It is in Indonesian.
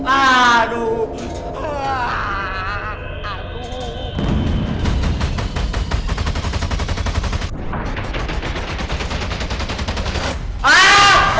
aduh ahhh aduh